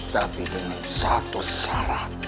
tapi dengan satu syarat